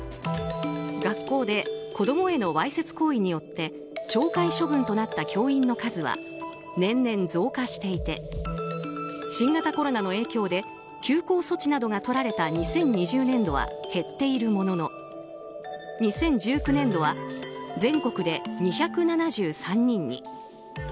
学校で子供へのわいせつ行為によって懲戒処分となった教員の数は年々増加していて新型コロナの影響で休校措置などがとられた２０２０年度は減っているものの２０１９年度は全国で２７３人に。